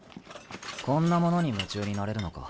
こんな物に夢中になれるのか。